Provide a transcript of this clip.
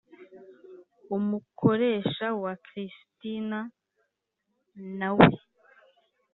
Umukoresha wa Christina na we